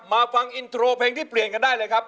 มาฟังอินโทรเพลงที่เปลี่ยนกันได้เลยครับ